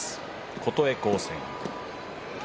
琴恵光戦。